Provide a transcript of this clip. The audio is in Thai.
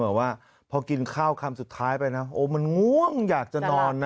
บอกว่าพอกินข้าวคำสุดท้ายไปนะโอ้มันง่วงอยากจะนอนนะ